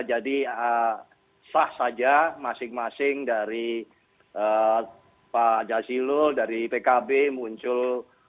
jadi sah saja masing masing dari pak jasilul dari pkb muncul